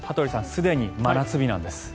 すでに真夏日なんです。